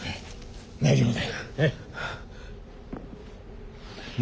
大丈夫だ。